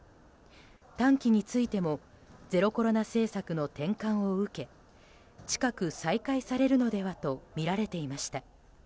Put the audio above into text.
短期についてもゼロコロナ政策の転換を受け近く再開されるのではとみられていました。